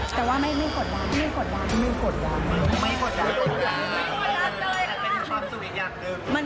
แต่ว่าไม่กดวาง